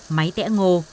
máy tẽ ngô